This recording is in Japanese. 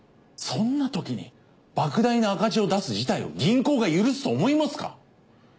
そんなときに莫大な赤字を出す事態を銀行が許すと思いますか？